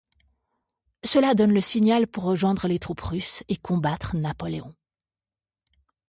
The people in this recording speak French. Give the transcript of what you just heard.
Cela donne le signal pour rejoindre les troupes russes et combattre Napoléon.